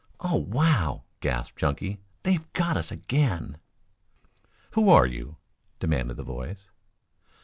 "Oh, wow!" gasped Chunky. "They've got us again." "Who are you?" demanded the voice.